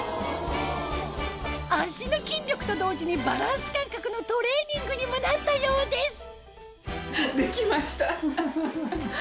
足の筋力と同時にバランス感覚のトレーニングにもなったようです